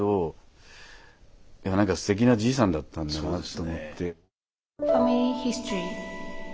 でも何かすてきなじいさんだったんだなと思って。